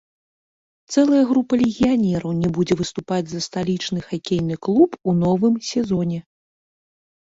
Цэлая група легіянераў не будзе выступаць за сталічны хакейны клуб у новым сезоне.